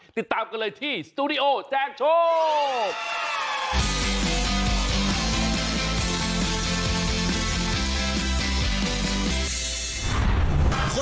ติดตามกันเลยที่สตูดิโอแจกโชค